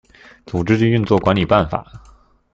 組織及運作管理辦法